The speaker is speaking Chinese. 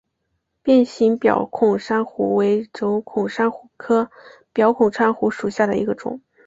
变形表孔珊瑚为轴孔珊瑚科表孔珊瑚属下的一个种。